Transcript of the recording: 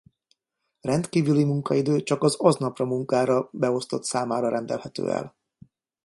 Rendkívüli munkaidő csak az aznapra munkára beosztott számára rendelhető el.